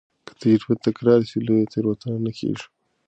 که تجربه تکرار سي، لویه تېروتنه نه کېږي.